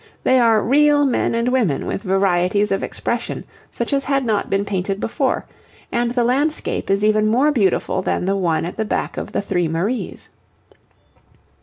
They are real men and women with varieties of expression such as had not been painted before, and the landscape is even more beautiful than the one at the back of the 'Three Maries.'